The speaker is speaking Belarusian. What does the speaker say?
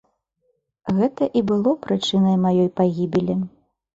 Гэта і было прычынай маёй пагібелі.